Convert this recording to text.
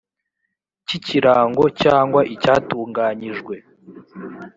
cy ikirango cyangwa icyatunganyijwe